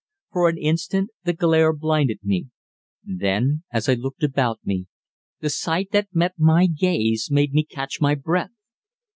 For an instant the glare blinded me. Then, as I looked about me, the sight that met my gaze made me catch my breath.